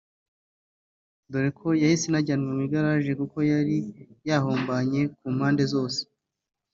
dore ko yahise inajyanwa mu igaraje kuko yari yahombanye ku mpande zose